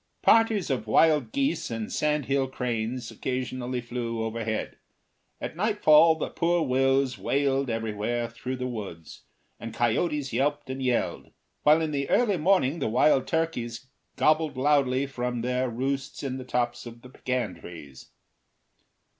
Parties of wild geese and sandhill cranes occasionally flew overhead. At nightfall the poor wills wailed everywhere through the woods, and coyotes yelped and yelled, while in the early morning the wild turkeys gobbled loudly from their roosts in the tops of the pecan trees.